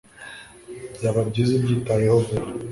Byaba byiza ubyitayeho vuba